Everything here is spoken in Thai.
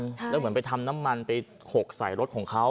แล้วเหมือนไปทำน้ำมันไปหกใส่รถของเขา